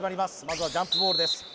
まずはジャンプボールです